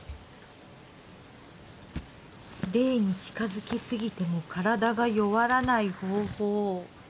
「霊に近づきすぎても身体が弱らない方法」